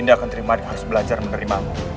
dinda kentering manik harus belajar menerimamu